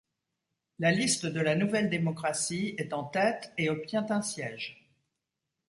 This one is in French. La liste de la Nouvelle Démocratie est en tête et obtient un siège.